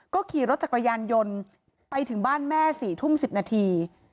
ขี่รถจักรยานยนต์ไปถึงบ้านแม่๔ทุ่ม๑๐นาที